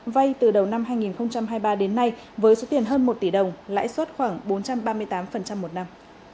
vay từ đầu năm hai nghìn hai mươi ba đến nay với số tiền hơn một tỷ đồng lãi suất khoảng bốn trăm ba mươi tám một năm